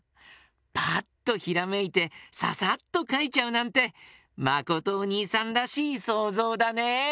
パッとひらめいてササッとかいちゃうなんてまことおにいさんらしいそうぞうだね。